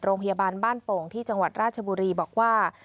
โรงพยาบาลบ้านโป่งที่จังหวัดราชบุรีบอกว่า